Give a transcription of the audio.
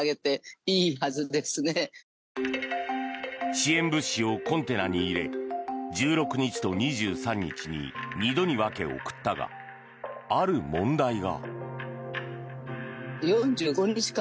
支援物資をコンテナに入れ１６日と２３日に２度に分け、送ったがある問題が。